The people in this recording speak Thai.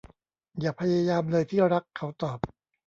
อย่าพยายามเลยที่รัก เขาตอบ